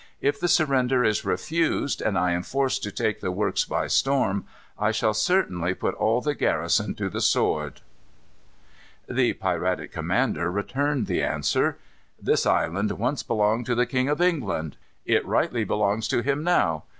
If the surrender is refused, and I am forced to take the works by storm, I shall certainly put all the garrison to the sword." The piratic commander returned the answer. "This island once belonged to the King of England. It rightly belongs to him now.